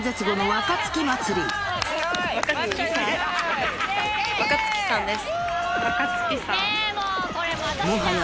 若槻さんです。